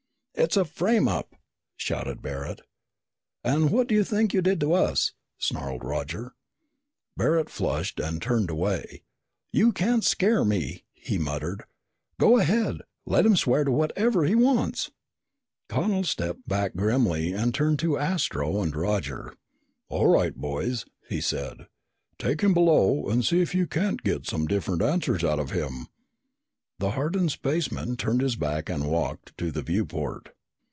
"It's a frame up!" shouted Barret. "And what do you think you did to us?" snarled Roger. Barret flushed and turned away. "You can't scare me," he muttered. "Go ahead. Let him swear to whatever he wants." Connel stepped back grimly and turned to Astro and Roger. "All right, boys," he said. "Take him below and see if you can't get some different answers out of him." The hardened spaceman turned his back and walked to the viewport.